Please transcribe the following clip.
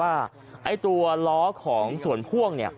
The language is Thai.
ไอ้ตัวล้อของส่วนพ่วงเนี่ย